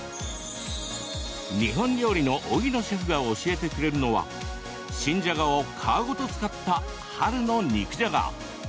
日本料理の荻野シェフが教えてくれるのは新じゃがを皮ごと使った春の肉じゃが。